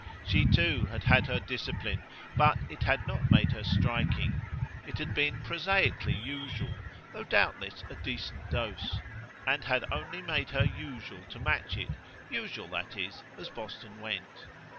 She too had had her discipline, but it had not made her striking; it had been prosaically usual, though doubtless a decent dose; and had only made her usual to match it usual, that is, as Boston went.